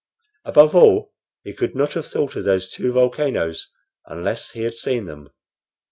Above all, he could not have thought of those two volcanoes unless he had seen them."